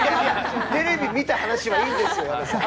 テレビ見た話はいいですよ。